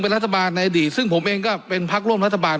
รัฐบาลในอดีตซึ่งผมเองก็เป็นพักร่วมรัฐบาล